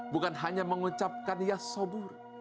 bukan hanya mengucapkan ya sobur